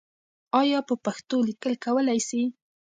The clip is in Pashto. آیا په پښتو لیکل کولای سې؟